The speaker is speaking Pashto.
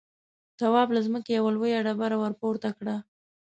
تواب له ځمکې يوه لويه ډبره ورپورته کړه.